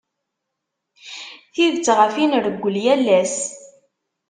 Tidet ɣef i nreggel yal ass.